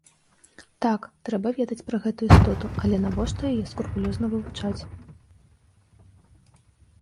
Так, трэба ведаць пра гэтую істоту, але навошта яе скрупулёзна вывучаць?